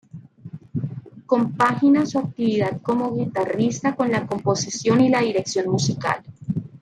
Compagina su actividad como guitarrista con la composición y la dirección musical.